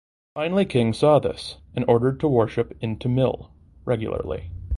Finally king saw this and ordered to worship in Tamil regularly.